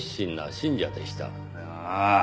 ああ。